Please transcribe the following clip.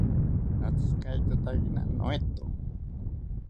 Atzikaitotakina noeto